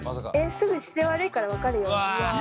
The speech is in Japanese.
すぐ姿勢悪いから分かるよみたいな。